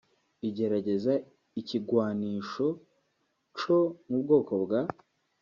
igerageza ikigwanisho co mu bwoko bwa